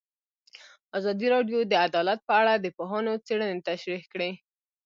ازادي راډیو د عدالت په اړه د پوهانو څېړنې تشریح کړې.